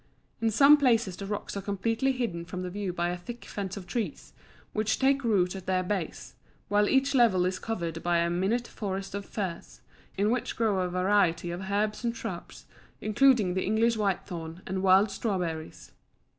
In some places the rocks are completely hidden from the view by a thick fence of trees, which take root at their base, while each level is covered by a minute forest of firs, in which grow a variety of herbs and shrubs, including the English whitethorn, and wild strawberries.